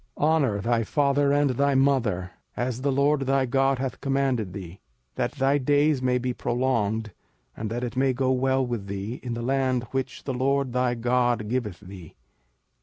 05:005:016 Honour thy father and thy mother, as the LORD thy God hath commanded thee; that thy days may be prolonged, and that it may go well with thee, in the land which the LORD thy God giveth thee.